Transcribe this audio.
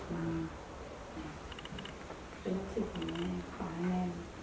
ไม่มั่นใจเลย